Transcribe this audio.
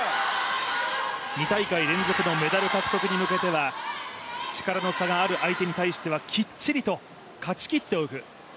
２大会連続のメダル獲得に向けては力の差がある相手に対してはきっちりと、勝ちきっておく。